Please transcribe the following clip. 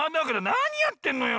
なにやってんのよ？